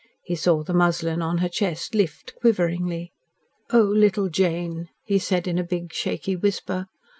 He saw the muslin on her chest lift quiveringly. "Oh, little Jane!" he said in a big, shaky whisper.